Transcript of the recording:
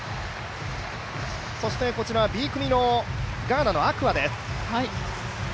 そしてこちら、Ｂ組のガーナのアクアです。